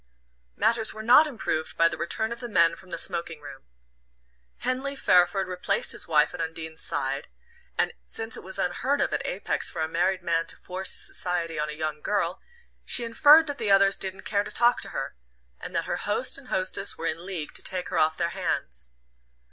Matters were not improved by the return of the men from the smoking room. Henley Fairford replaced his wife at Undine's side; and since it was unheard of at Apex for a married man to force his society on a young girl, she inferred that the others didn't care to talk to her, and that her host and hostess were in league to take her off their hands.